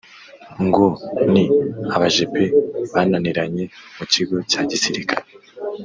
Ngo ni abajepe bananiranye mu kigo cya gisirikare